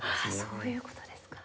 そういう事ですか。